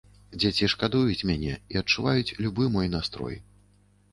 Дзеці шкадуюць мяне і адчуваюць любы мой настрой.